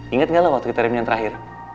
ingat ga lu waktu kita remin yang terakhir